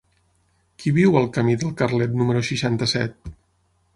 Qui viu al camí del Carlet número seixanta-set?